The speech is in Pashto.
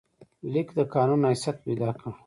لیک د قانون حیثیت پیدا کړ.